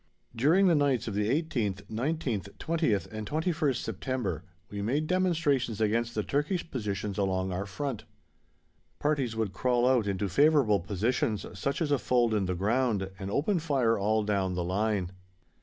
During the nights of the 18th, 19th, 20th and 21st September we made demonstrations against the Turkish positions along our front. Parties would crawl out into favourable positions, such as a fold in the ground, and open fire all down the line.